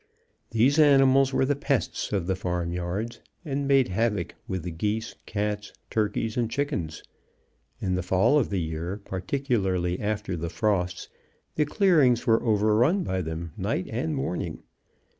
These animals were the pests of the farm yards, and made havoc with the geese, cats, turkeys, and chickens. In the fall of the year, particularly after the frosts, the clearings were overrun by them night and morning.